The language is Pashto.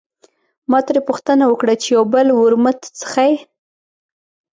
ما ترې پوښتنه وکړه چې یو بل ورموت څښې.